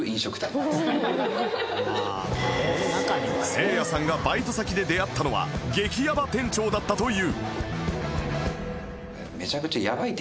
セイヤさんがバイト先で出会ったのは激ヤバ店長だったという